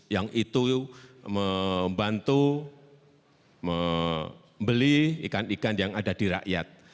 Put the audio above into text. yang itu membantu membeli ikan ikan yang ada di rakyat